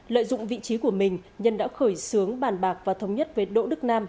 lợi dụng vị trí của mình nhân đã khởi xướng bàn bạc và thống nhất với đỗ đức nam